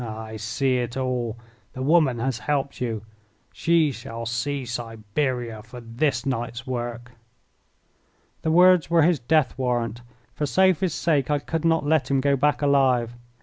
Ah, I see it all! The woman has helped you. She shall see Siberia for this night's work." The words were his death warrant. For Sophie's sake I could not let him go back alive.